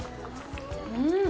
うん！